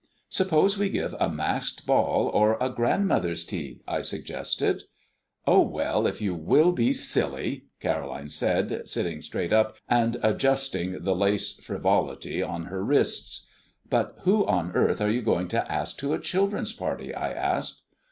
"Suppose we give a masked ball or a grandmother's tea?" I suggested. "Oh well, if you will be silly " Caroline said, sitting straight up, and adjusting the lace frivolity on her wrists. "But who on earth are you going to ask to a children's party?" I asked.